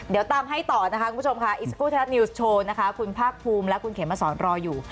เดี๋ยวตามให้ต่อนะคะคุณผ้ากภูมิและคุณเขมสรรรค์รออยู่